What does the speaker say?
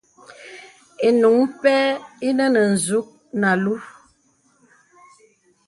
Ìnùŋ pɛ̂ inə nə nzùk nə alūū.